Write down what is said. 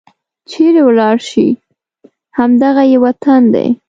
چيرې ولاړې شي؟ همد غه یې وطن دی